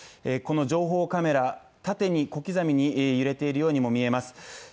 この情報カメラ、縦に小刻みに揺れているようにも見えます。